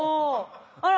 あら。